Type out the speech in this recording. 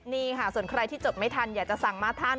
นี่ค่ะส่วนใครที่จดไม่ทันอยากจะสั่งมาทาน